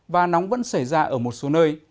và nóng vẫn xảy ra ở một số nơi